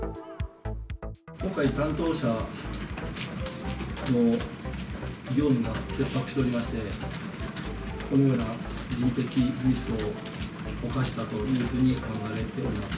今回、担当者の業務が切迫しておりまして、このような人的ミスを犯したというふうに考えております。